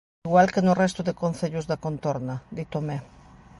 Igual que no resto de concellos da contorna, di Tomé.